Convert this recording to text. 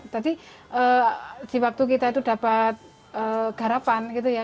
tadi di waktu kita itu dapat garapan gitu ya